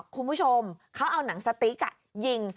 คุณผู้ชมเขาเอาหนังสติ๊กยิง